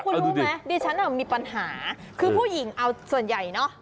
คุณรู้ไหมดิฉันมีปัญหาคือผู้หญิงเอาส่วนใหญ่เนอะ